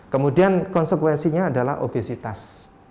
kemudian konsekuensinya adalah obesitas